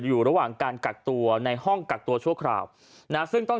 อยู่ระหว่างการกักตัวในห้องกักตัวชั่วคราวนะซึ่งต้อง